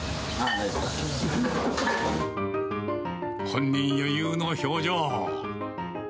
本人、余裕の表情。